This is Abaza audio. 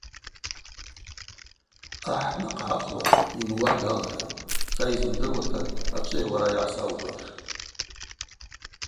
Ахӏ днахъгӏахъуа, йымуа далагатӏ: Са йзымдыруата ачӏвыйа уара йгӏасаухӏвуаш?